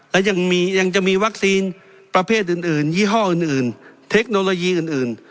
และยังจะมีวัคซีนประเภทอื่นยี่ห้ออื่นเทคโนโลยีอื่น